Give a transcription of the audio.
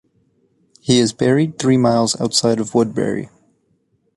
He is buried three miles outside of Woodbury.